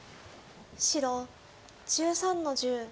白１３の十。